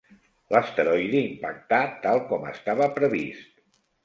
L'asteroide impactà tal com estava previst.